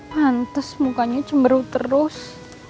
pantes mukanya cemberu terus